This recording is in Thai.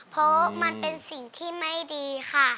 เพราะมันเป็นสิ่งที่ไม่ดีค่ะ